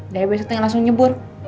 dari besok tinggal langsung nyebur